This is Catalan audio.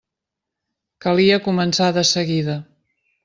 Calia començar de seguida.